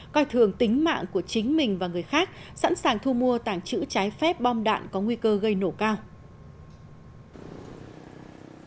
coi thường tính mạng của chính mình và người khác sẵn sàng thu mua tàng trữ trái phép bom đạn có nguy cơ gây nổ cao